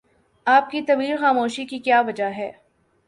آپ کی طویل خاموشی کی کیا وجہ ہے؟